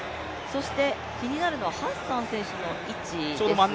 そして、気になるのはハッサン選手の位置ですね。